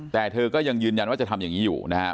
แต่เธอก็ยังยืนยันว่าจะทำอย่างนี้อยู่นะครับ